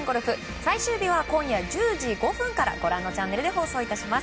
最終日は今夜１０時５分からご覧のチャンネルでお送りします。